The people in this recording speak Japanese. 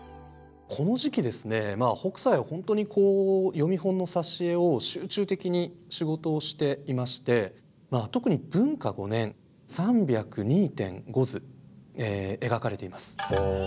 この時期ですね北斎は本当に読本の挿絵を集中的に仕事をしていまして特に文化５年３０２．５図描かれています。